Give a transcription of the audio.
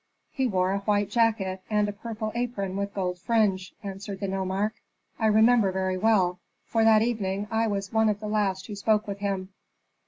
"He wore a white jacket, and a purple apron with gold fringe," answered the nomarch. "I remember very well, for that evening I was one of the last who spoke with him."